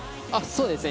そうですね。